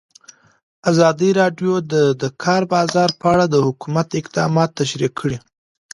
ازادي راډیو د د کار بازار په اړه د حکومت اقدامات تشریح کړي.